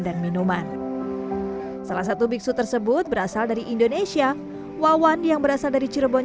dan minuman salah satu biksu tersebut berasal dari indonesia wawan yang berasal dari cirebon